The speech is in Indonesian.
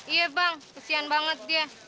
iya bang kesian banget dia